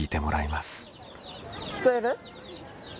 聞こえる？